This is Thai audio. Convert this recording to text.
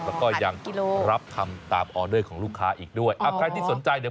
แล้วก็ยังรับทำตามออเดอร์ของลูกค้าอีกด้วยอ่ะใครที่สนใจเดี๋ยว